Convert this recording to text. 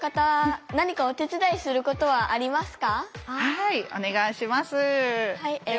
はいお願いします。